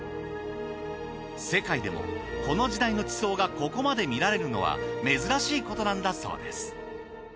世界でもこの時代の地層がここまで見られるのは珍しいことなんだそうです。